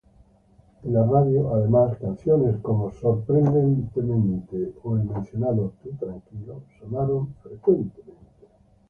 En la radio, además, canciones como "Sorprendentemente" o el mencionado "Tú tranquilo" sonaron frecuentemente.